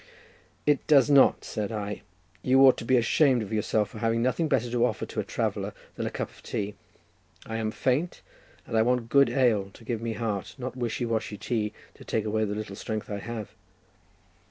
"It does not," said I, "and you ought to be ashamed of yourself to have nothing better to offer a traveller than a cup of tea. I am faint; and I want good ale to give me heart, not wishy washy tea to take away the little strength I have."